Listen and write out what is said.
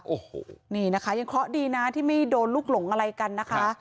โอ้โหนี่นะคะยังเคราะห์ดีนะที่ไม่โดนลูกหลงอะไรกันนะคะ